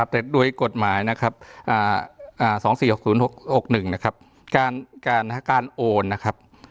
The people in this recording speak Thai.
แต่ด้วยกฎหมายนับ๒๔๖๐๖๑